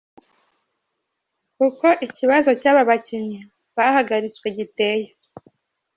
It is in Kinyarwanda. Uko ikibazo cy'aba bakinnyi bahagaritswe giteye :.